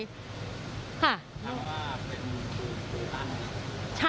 ค่ะ